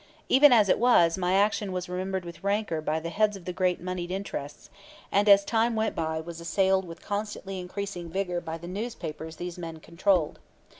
Even as it was, my action was remembered with rancor by the heads of the great moneyed interests; and as time went by was assailed with constantly increasing vigor by the newspapers these men controlled.